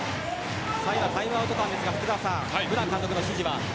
タイムアウト間ブラン監督の指示は。